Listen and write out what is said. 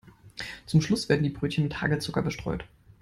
Zum Schluss werden die Brötchen mit Hagelzucker bestreut.